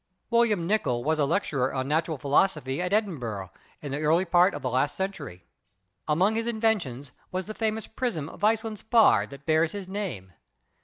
William Nicol was a lecturer on Natural Philosophy at Edinburgh in the early part of last century. Among his inventions was the famous prism of Iceland spar that bears his name.